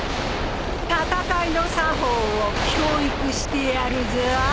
戦いの作法を教育してやるぞぉ。